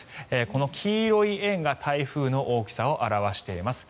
この黄色い円が台風の大きさを表しています。